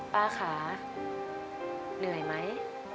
ป้าขาเหนื่อยไหม